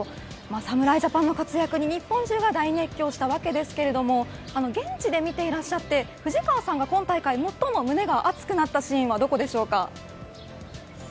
侍ジャパンの活躍に、日本中が大熱狂したわけですけれど現地で見ていらっしゃって藤川さんが今大会最も胸が熱くなったシーンはどこでしょうか。